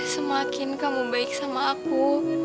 semakin kamu baik sama aku